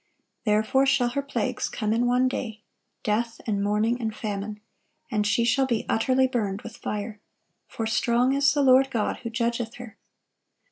Therefore shall her plagues come in one day, death, and mourning, and famine; and she shall be utterly burned with fire: for strong is the Lord God who judgeth her.